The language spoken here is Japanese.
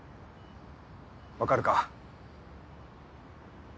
分かるか？